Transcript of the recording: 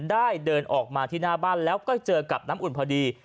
ได้เดินออกมาที่หน้าบ้านแล้วก็เจอกับน้ำอุ่นพอดี